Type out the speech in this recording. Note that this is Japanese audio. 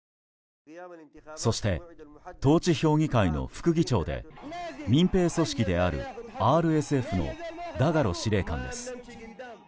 そして、統治評議会の副議長で民兵組織であるＲＳＦのダガロ司令官です。